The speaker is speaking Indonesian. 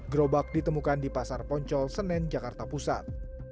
gerobak ditemukan di pasar poncol senen jakarta pusat